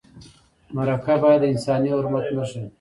مرکه باید د انساني حرمت نښه وي.